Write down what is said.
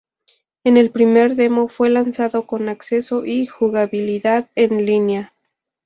En el primer demo fue lanzado con acceso y jugabilidad en línea.